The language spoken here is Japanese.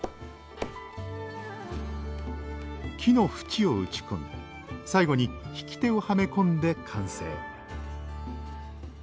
木の縁を打ち込み最後に引き手をはめ込んで完成